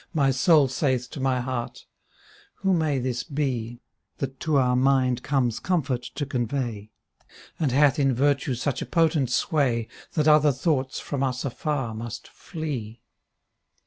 My soul saith to my heart, " Who may this be, ^ That to our mind comes comfort to convey, And hath in virtue such a potent sway That other thoughts from us afar must flee?"